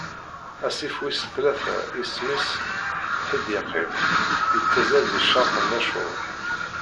Asif wis tlata isem-is Ḥidiqil, ittazzal di ccerq n Acur.